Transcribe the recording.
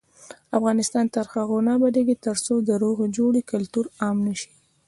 افغانستان تر هغو نه ابادیږي، ترڅو د روغې جوړې کلتور عام نشي.